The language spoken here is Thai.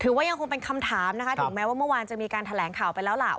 ถือยังคงเป็นคำถามนะคะถึงใหม่มันมีการแถลงข่าวไปแล้ว